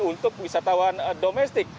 untuk wisatawan domestik